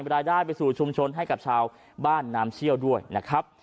รายได้ไปสู่ชุมชนให้กับชาวบ้านน้ำเชี่ยวด้วยนะครับ